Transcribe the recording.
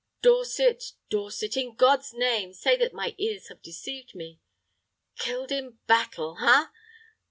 Dorset, Dorset; in God's name, say that my ears have deceived me. Killed in battle, ha!